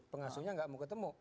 pengasuhnya tidak mau ketemu